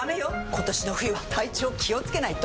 今年の冬は体調気をつけないと！